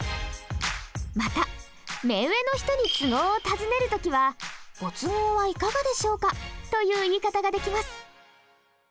また目上の人に都合を尋ねる時は「ご都合はいかがでしょうか？」という言い方ができます。